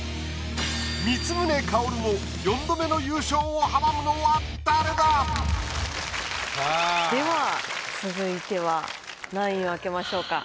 光宗薫の４度目の優勝を阻むのは誰だ⁉では続いては何位を開けましょうか？